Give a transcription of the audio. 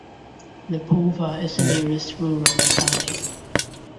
Lipova is the nearest rural locality.